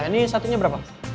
ini satunya berapa